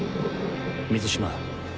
水嶋